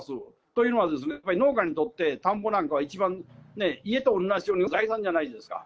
というのは、やっぱり農家にとって田んぼなんかは一番ね、家と同じように財産じゃないですか。